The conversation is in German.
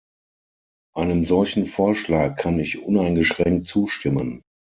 Einem solchen Vorschlag kann ich uneingeschränkt zustimmen.